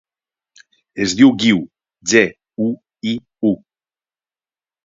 Es diu Guiu: ge, u, i, u.